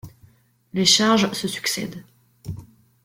Les charges se succèdent.